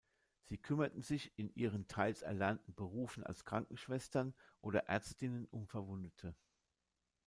Sie kümmerten sich in ihren teils erlernten Berufen als Krankenschwestern oder Ärztinnen um Verwundete.